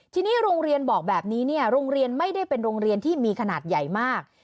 ทีนี้โรงเรียนบอกแบบนี้เนี่ยโรงเรียนไม่ได้เป็นโรงเรียนที่มีขนาดใหญ่มาก